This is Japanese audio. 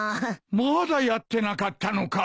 まだやってなかったのか？